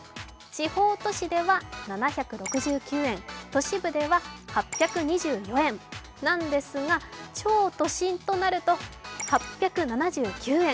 地方都市では７６９円、都市部では８２４円なんですが、超都心となると８７９円。